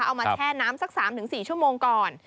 เอามาแช่น้ำสัก๓๔ชั่วโมงก่อน